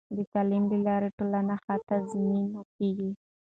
د تعلیم له لارې، ټولنه ښه تنظیم کېږي.